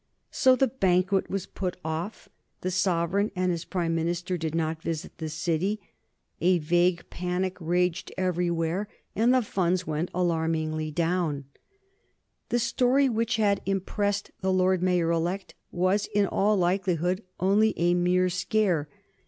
So the banquet was put off; the sovereign and his Prime Minister did not visit the City. A vague panic raged everywhere, and the Funds went alarmingly down. The story which had impressed the Lord Mayor elect was in all likelihood only a mere scare.